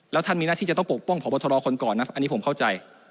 แล้วท่านมีหน้าที่จะต้องปกป้องพบทรคนก่อนนะอันนี้ผมเข้าใจ